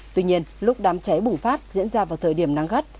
tuy nhiên lúc đám cháy bùng phát diễn ra vào thời điểm nắng gắt